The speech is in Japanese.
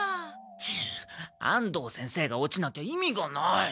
チッ安藤先生が落ちなきゃ意味がない。